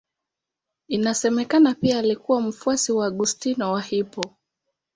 Inasemekana pia alikuwa mfuasi wa Augustino wa Hippo.